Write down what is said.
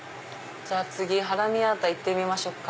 次ハラミアータ行ってみましょうか。